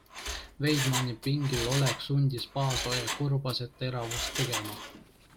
Veidemani pingilolek sundis Paasoja ja Kurbase teravust tegema.